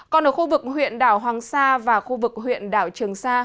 còn ở khu vực huyện đảo hoàng sa và khu vực huyện đảo trường sa